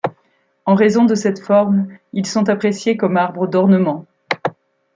En raison de cette forme, ils sont appréciés comme arbre d'ornement.